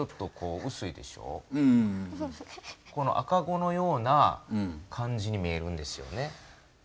赤子のような感じに見えるんですよね。